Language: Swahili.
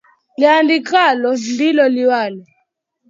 Liandikwalo ndiyo liwalo